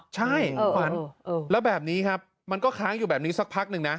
ใช่คุณขวัญแล้วแบบนี้ครับมันก็ค้างอยู่แบบนี้สักพักหนึ่งนะ